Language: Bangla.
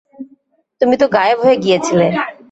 তুমি তো গায়েব হয়ে গিয়েছিলে।